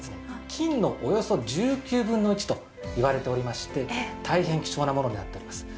金のおよそ１９分の１といわれておりまして大変貴重なものになっております。